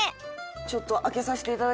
ちょっと開けさせていただきます。